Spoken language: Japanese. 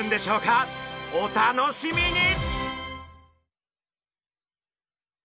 お楽しみに！